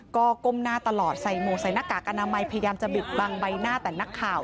ก็ก้มหน้าตลอดใส่หมวกใส่หน้ากากอนามัยพยายามจะบิดบังใบหน้าแต่นักข่าว